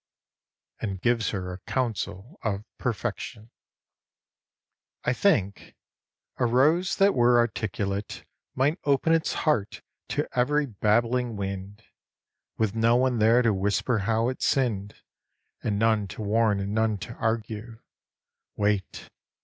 And gives Her a Counsel of Perfection I THINK : a rose that were articulate Might open its heart to every babbling wind, With no one there to whisper how it sinned, And none to warn and none to argue, Wait